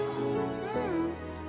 ううん。